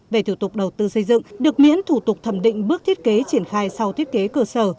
về thủ tục đầu tư xây dựng được miễn thủ tục thẩm định bước thiết kế triển khai sau thiết kế cơ sở